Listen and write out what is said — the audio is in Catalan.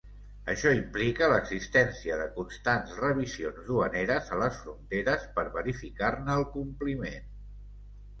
Això implica l'existència de constants revisions duaneres a les fronteres per verificar-ne el compliment.